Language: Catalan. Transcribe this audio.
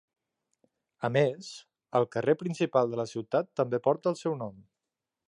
A més, el carrer principal de la ciutat també porta el seu nom.